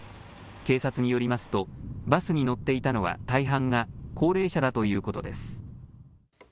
警察によりますとバスに乗っていたのは大半が高齢者だということです。